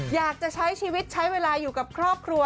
อยากจะใช้ชีวิตใช้เวลาอยู่กับครอบครัว